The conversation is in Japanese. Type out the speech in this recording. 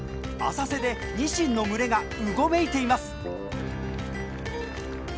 浅瀬でニシンの群れがうごめいています！